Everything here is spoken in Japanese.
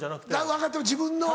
分かってる自分の。